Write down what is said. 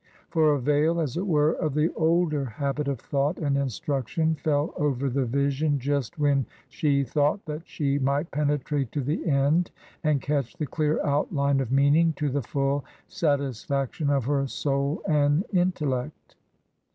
For a veil, as it were, of the older habit of thought and instruction fell over the vision just when she thought that she might penetrate to the end and catch the clear outline of meaning to the full satis faction of her soul and intellect.